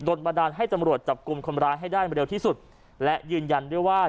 บันดาลให้ตำรวจจับกลุ่มคนร้ายให้ได้เร็วที่สุดและยืนยันด้วยว่า